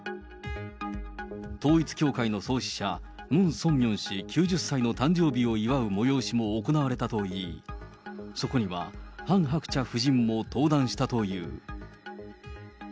統一教会の創始者、ムン・ソンミョン氏９０歳の誕生日を祝う催しも行われたといい、そこにはハン・ハクチャ夫人も登壇したという。